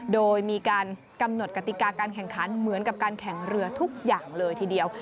โดยมีการกำหนดกติกาการแข่งขันเหมือนกับการแข่งเรือทุกอย่างเลยทีเดียว